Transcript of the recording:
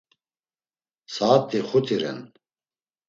Saat̆i xuti ren.